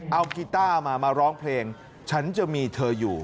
เอากีต้ามามาร้องเพลงฉันจะมีเธออยู่